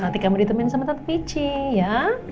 nanti kamu ditemuin sama tante pichi ya